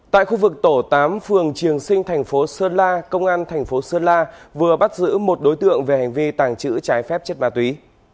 tại khu vực tổ tám phường triềng sinh thành phố sơn la công an thành phố sơn la vừa bắt giữ một đối tượng về hành vi tàng trữ trái phép chất ma túy